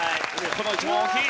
この１問大きい！